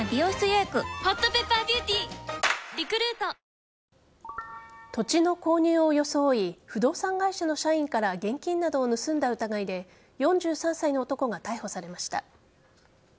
この火事の影響で土地の購入を装い不動産会社の社員から現金などを盗んだ疑いで４３歳の男が逮捕されました。